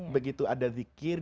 begitu ada zikir